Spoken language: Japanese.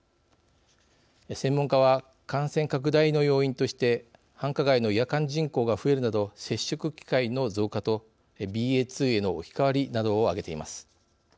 専門家は感染拡大の要因として繁華街の夜間人口が増えるなど接触機会の増加とＢＡ．２への置き換わりなどを挙げています。